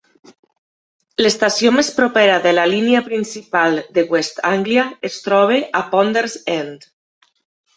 L'estació més propera de la línia principal de West Anglia es troba a Ponders End.